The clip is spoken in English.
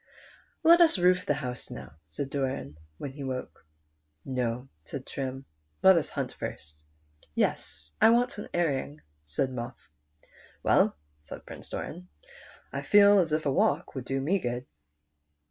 " Let us roof the house now," said Doran, when he woke. " No," said Trim, '* let us hunt first." " Yes, I want an airing," said Muff. " Well," said Doran, " I feel as if a walk would do me good."